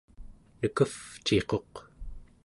nekevciquq